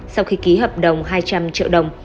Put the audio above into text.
sau khi ký hợp đồng hai trăm linh triệu đồng